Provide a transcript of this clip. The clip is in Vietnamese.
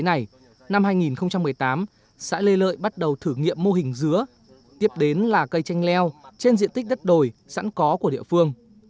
năm hai nghìn một mươi tám xã lê lợi bắt đầu thử nghiệm mô hình dứa tiếp đến là cây chanh leo trên diện tích đất đồi sẵn có của địa phương